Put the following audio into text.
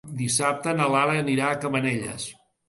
Dissabte na Lara anirà a Cabanelles.